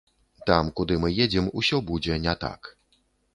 Там, куды мы едзем, усё будзе не так.